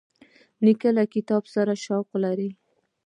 نیکه له کتاب سره شوق لري.